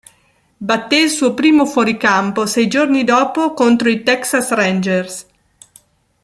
Batté il suo primo fuoricampo sei giorni dopo contro i Texas Rangers.